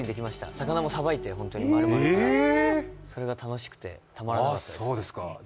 魚もまるまるさばいて、それが楽しくてたまらなかったです。